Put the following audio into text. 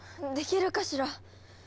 できるかしら？